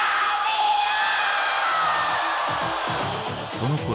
そのころ